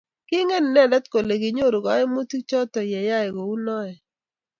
kiingen inendet kole nyoru kaimutik choto ye yai kou noe